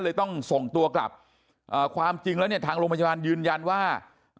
ต้องส่งตัวกลับความจริงแล้วเนี่ยทางโรงพยาบาลยืนยันว่า